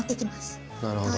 なるほど。